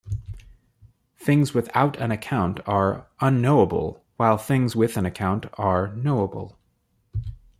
Things without an account are 'unknowable', while things with an account are 'knowable'.